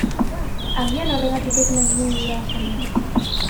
Agian horregatik ez naiz ni udazalea.